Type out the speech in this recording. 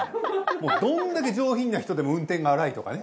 もうどんだけ上品な人でも運転が荒いとかね。